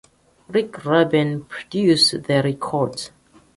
Rick Rubin produces their records.